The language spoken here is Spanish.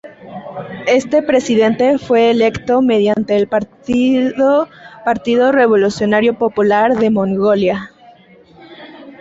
Este presidente fue electo mediante el partido Partido Revolucionario Popular de Mongolia.